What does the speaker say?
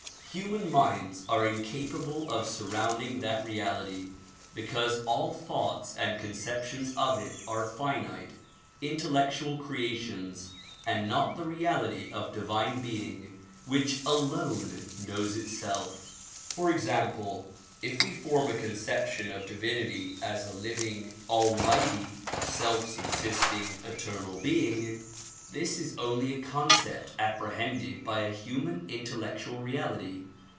Human minds are incapable of surrounding that reality because all thoughts and conceptions of it are finite, intellectual creations and not the reality of divine being which alone knows itself. Foi* example, if we fonn a conception of divinity as a lining, almighty, self subsisting, eternal being, this is only a concept apprehended by a human intellectual reality.